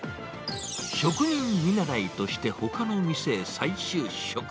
職人見習いとしてほかの店へ再就職。